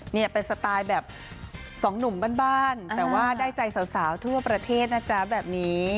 นี่เป็นสไตล์แบบสองหนุ่มบ้านแต่ว่าได้ใจสาวทั่วประเทศนะจ๊ะแบบนี้